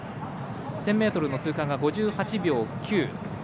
１０００ｍの通過が５８秒９。